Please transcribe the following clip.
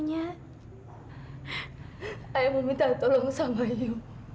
ibu minta tolong sama ibu